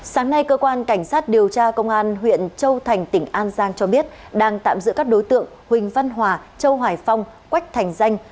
sáng nay cơ quan cảnh sát điều tra công an huyện châu thành tỉnh an giang cho biết đang tạm giữ các đối tượng huỳnh văn hòa châu hoài phong quách thành danh